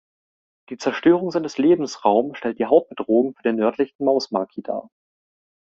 Die Zerstörung seines Lebensraum stellt die Hauptbedrohung für den Nördlichen Mausmaki dar.